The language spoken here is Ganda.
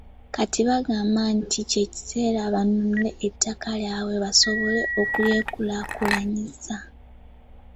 Kati bagamba nti kye kiseera banunule ettaka lyabwe basobole okulyekulaakulanyiza.